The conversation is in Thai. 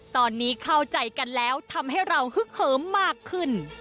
ตอนนี้เข้าใจกันแล้วทำให้เราฮึกเหิมมากขึ้น